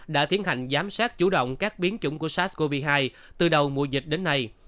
đã tiến hành giám sát chủ động các biến chủng của sars cov hai từ đầu mùa dịch đến nay